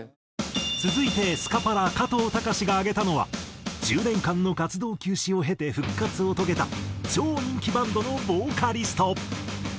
続いてスカパラ加藤隆志が挙げたのは１０年間の活動休止を経て復活を遂げた超人気バンドのボーカリスト。